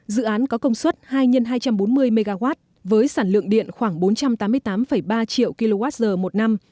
dự án có công suất hai x hai trăm bốn mươi mw với sản lượng điện khoảng bốn trăm tám mươi tám ba triệu kwh một năm